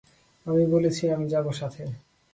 আমি বলেছি আমি যাব সাথে!